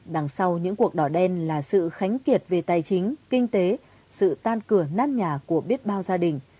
đằng sau những cuộc đỏ đen là sự khánh kiệt về tài chính kinh tế sự tan cửa nát nhà của biết bao gia đình